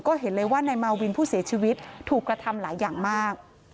ก็เห็นเลยว่านายมาวินผู้เสียชีวิตถูกกระทำหลายอย่างมาก